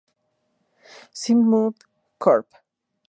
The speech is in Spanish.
Sigmund Corp.